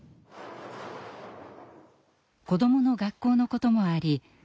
子どもの学校のこともあり